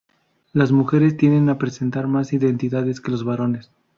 Las mujeres tienden a presentar más identidades que los varones.